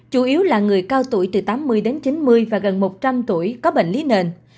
chủ yếu là người cao tuổi từ tám mươi đến chín mươi và gần một trăm linh tuổi có bệnh lý nền